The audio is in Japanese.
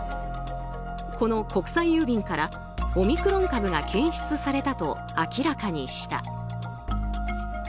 この国際郵便からオミクロン株が検出されたと明らかにした。